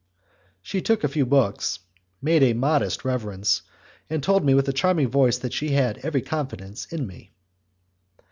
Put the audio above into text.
She took a few books, made a modest reverence, and told me with a charming voice that she had every confidence in me.